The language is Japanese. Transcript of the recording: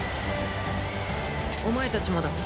お前たちもだ。